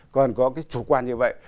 con có cái chủ quan như vậy